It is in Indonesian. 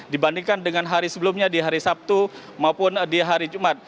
dibandingkan dengan hari sebelumnya di hari sabtu maupun di hari jumat